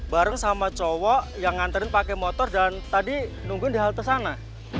bareng sama cowok yang nganterin pakai motor dan tadi nungguin di halte sana